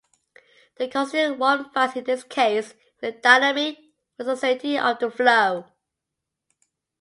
The constant one finds in this case is the dynamic viscosity of the flow.